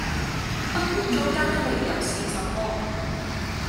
不管中間的理由是什麼！